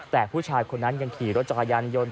แต่ผู้ชายคนนั้นยังขี่รถจักรยานยนต์